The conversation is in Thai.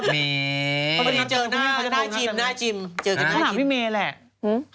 มันไม่ใช่ปากโก